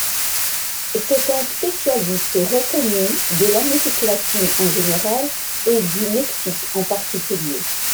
C'est un spécialiste reconnu de l'Amérique latine en général et du Mexique en particulier.